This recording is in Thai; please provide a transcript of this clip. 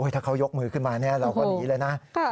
ถ้าเขายกมือขึ้นมาเราก็หนีเลยนะ